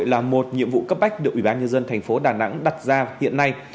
là một nhiệm vụ cấp bách được ủy ban nhân dân thành phố đà nẵng đặt ra hiện nay